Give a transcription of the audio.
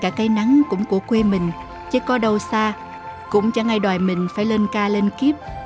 cứ quanh quanh quẩn quẩn ngay cả cây nắng cũng của quê mình chứ có đâu xa cũng chẳng ai đòi mình phải lên ca lên kiếp